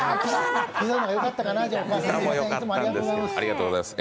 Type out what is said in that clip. ピザの方がよかったかな、お母さんいつもありがとうございます。